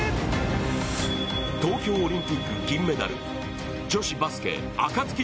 東京オリンピック銀メダル女子バスケアカツキ